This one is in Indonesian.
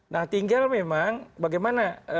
nah tinggal memang bagaimana